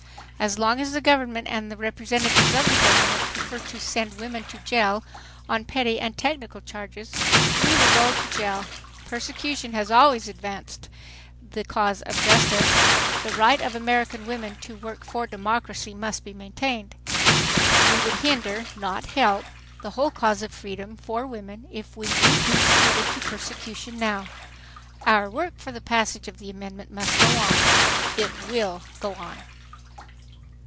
"As long as the government and the representatives of the government prefer to send women to jail on petty and technical charges, we will go to jail. Persecution has always advanced the cause of justice. The right of American women to work for democracy must be maintained .... We would hinder, not help, the whole cause of freedom for women, if we weakly submitted to persecution now. Our work for the passage of the amendment must go on. It will go on."